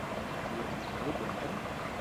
Li agradava el teatre?